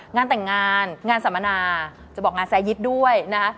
งานแต่งงานงานสัมมนาจะบอกงานแซยิตด้วยนะคะ